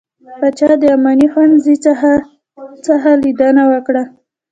پاچا د اماني ښوونځي څخه څخه ليدنه وکړه .